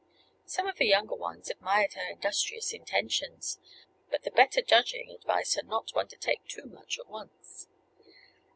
Some of the younger ones admired her industrious intentions, but the better judging advised her not to undertake too much at once.